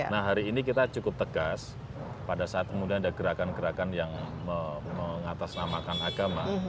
nah hari ini kita cukup tegas pada saat kemudian ada gerakan gerakan yang mengatasnamakan agama